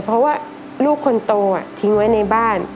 เพราะว่าลูกคนโตทิ้งไว้ในบ้าน